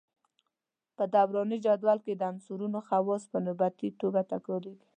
په دوراني جدول کې د عنصرونو خواص په نوبتي توګه تکراریږي.